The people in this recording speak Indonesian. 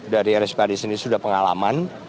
dari rspad sendiri sudah pengalaman